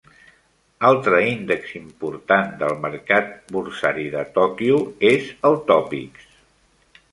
Altre índex important del mercat borsari de Tòquio és el Topix.